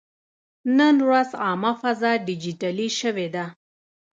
نن ورځ عامه فضا ډیجیټلي شوې ده.